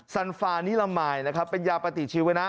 สันฟานิรมายนะครับเป็นยาปฏิชีวนะ